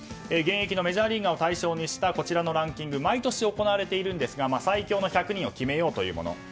現役のメジャーリーガーを対象にしたこちらのランキングは毎年行われているんですが最強の１００人を決めようというもの。